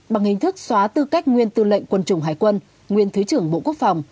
bằng hình thức xóa tư cách nguyên tư lệnh quân chủng hải quân nguyên thứ trưởng bộ quốc phòng